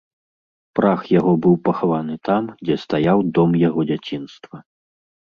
Прах яго быў пахаваны там, дзе стаяў дом яго дзяцінства.